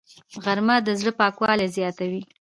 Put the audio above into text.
غرمه د زړه پاکوالی زیاتوي